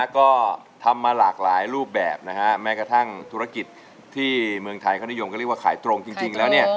ก็ทำมาหลากหลายรูปแบบนะฮะแม้กระทั่งธุรกิจที่เมืองไทยเขานิยมก็เรียกว่าขายตรงจริงแล้วเนี่ย